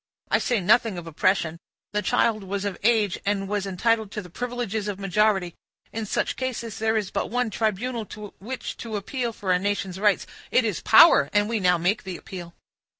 I say nothing of oppression; the child was of age, and was entitled to the privileges of majority. In such cases, there is but one tribunal to which to appeal for a nation's rights—it is power, and we now make the appeal."